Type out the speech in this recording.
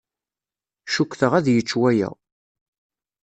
Cukkteɣ ad yečč waya.